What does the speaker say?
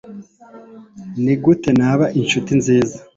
nigute naba inshuti nziza